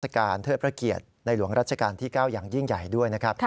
การเทิดพระเกียรติในหลวงรัชกาลที่๙อย่างยิ่งใหญ่ด้วยนะครับ